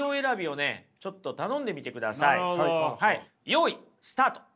よいスタート！